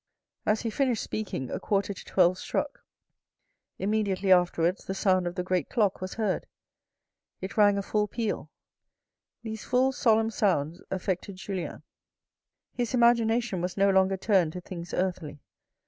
As he finished speaking, a quarter to twelve struck. Im mediately afterwards the sound of the great clock was heard. It rang a full peal. These full solemn ounds affected Julien. zoo THE RED AND THE BLACK His imagination was no longer turned to things earthly.